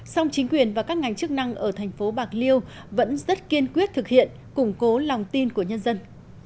song chính quyền và các ngành chức năng ở thành phố bạc liêu vẫn rất kiên quyết thực hiện củng cố lòng tin của nhân dân